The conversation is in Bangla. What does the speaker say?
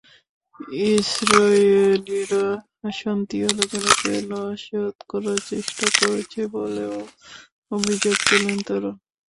ইসরায়েলিরা শান্তি আলোচনাকে নস্যাৎ করার চেষ্টা করছে বলেও অভিযোগ তোলেন তাঁরা।